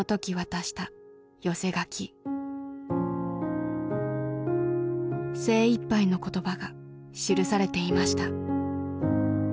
精いっぱいの言葉が記されていました。